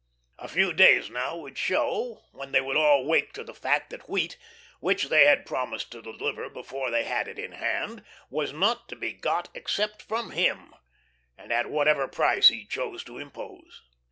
A few days now would show, when they would all wake to the fact that wheat, which they had promised to deliver before they had it in hand, was not to be got except from him and at whatever price he chose to impose.